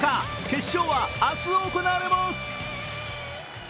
決勝は明日行われます。